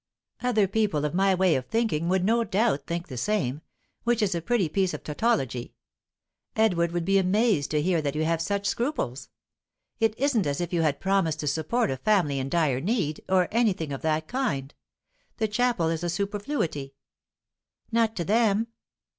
"Other people of my way of thinking would no doubt think the same which is a pretty piece of tautology. Edward would be amazed to hear that you have such scruples. It isn't as if you had promised to support a family in dire need, or anything of that kind. The chapel is a superfluity." "Not to them."